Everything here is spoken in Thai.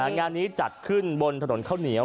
งานนี้จัดขึ้นบนถนนข้าวเหนียว